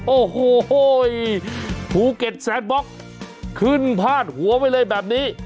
โอ้โหภูเก็ตแซนบล็อกขึ้นพาดหัวไว้เลยแบบนี้